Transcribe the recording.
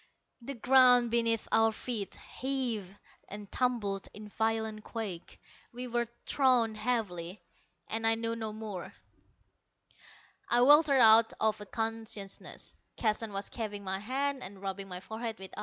The ground beneath our feet heaved and tumbled in violent quake. We were thrown heavily and I knew no more.... I weltered out of unconsciousness. Keston was chafing my hands and rubbing my forehead with ice.